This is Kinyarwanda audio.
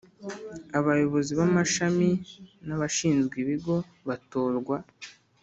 Abayobozi b amashami n Abashinzwe ibigo batorwa